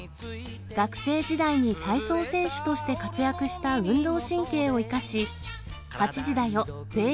学生時代に体操選手として活躍した運動神経を生かし、８時だョ！